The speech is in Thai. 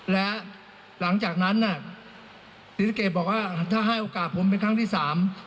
และหลังจากนั้นน่ะศรีสะเกดบอกว่าถ้าให้โอกาสผมเป็นครั้งที่สาม